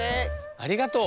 ありがとう。